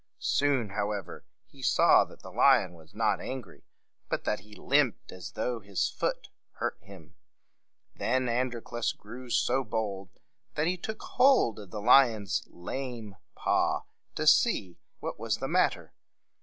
Soon, however, he saw that the lion was not angry, but that he limped as though his foot hurt him. Then Androclus grew so bold that he took hold of the lion's lame paw to see what was the matter.